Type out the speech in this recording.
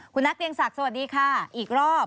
คุณนัทเรียงศักดิ์สวัสดีค่ะอีกรอบ